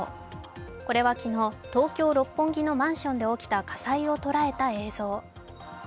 これは昨日、東京・六本木のマンションで起きた火災を捉えた映像。